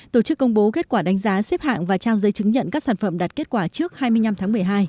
tổ chức công bố kết quả đánh giá xếp hạng và trao giấy chứng nhận các sản phẩm đạt kết quả trước hai mươi năm tháng một mươi hai